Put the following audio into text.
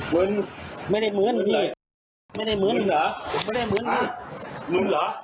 เหมือนไม่ได้มื้อนพี่เลยไม่ได้มื้อนเหรอผมไม่ได้มึ้นมึนเหรอ